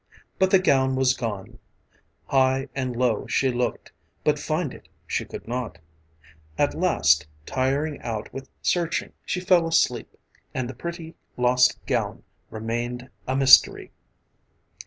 But the gown was gone, high and low she looked, but find it she could not. At last, tired out with searching, she fell asleep, and the pretty lost gown remained a mystery.